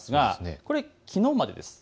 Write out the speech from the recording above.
これはきのうまでです。